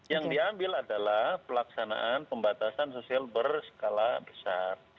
yang diambil adalah pelaksanaan pembatasan sosial berskala besar